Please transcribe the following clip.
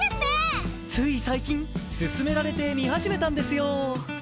つい最近薦められて見始めたんですよ！